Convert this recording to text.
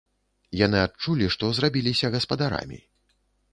Яны адчулі, што зрабіліся гаспадарамі.